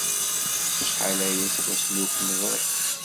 Acḥal aya seg wasmi ur kem-ẓriɣ!